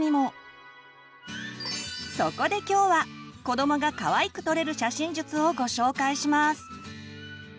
そこで今日は子どもがかわいく撮れる写真術をご紹介します！